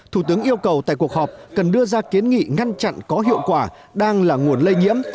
thủ tướng yêu cầu tại cuộc họp cần đưa ra kiến nghị ngăn chặn có hiệu quả đang là nguồn lây nhiễm